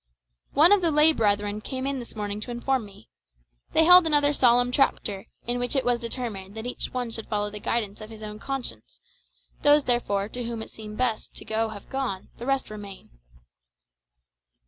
"One of the lay brethren came in this morning to inform me. They held another solemn Chapter, in which it was determined that each one should follow the guidance of his own conscience, those, therefore, to whom it seemed best to go have gone, the rest remain."